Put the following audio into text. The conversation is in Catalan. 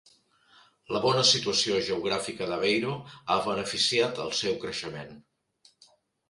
La bona situació geogràfica d'Aveiro ha beneficiat el seu creixement.